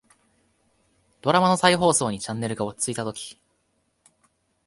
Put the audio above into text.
ドラマの再放送にチャンネルが落ち着いたとき、